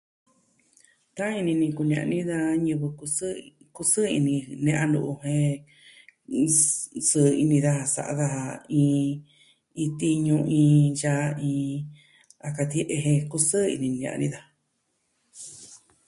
Ta'an ini ni kune'ya ni da ñivɨ kusɨɨ... kusɨɨ ini ne'ya nu'u jen ɨs... sɨɨ ini da sa'a daja iin... iin tiñu iin yaa iin a katie'e je kusɨɨ ini ni a ni daja.